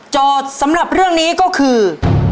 สำหรับเรื่องนี้ก็คือ